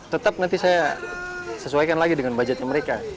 tetap nanti saya sesuaikan lagi dengan budgetnya mereka